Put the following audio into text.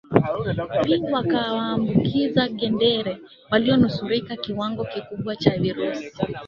Pia wakawaambukiz ngedere walionusurika kiwango kikubwa cha virusi